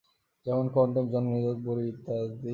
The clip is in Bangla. যেমন কনডম, জন্ম নিরোধক বড়ি ইত্যাদি।